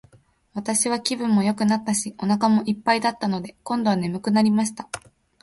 私は気分もよくなったし、お腹も一ぱいだったので、今度は睡くなりました。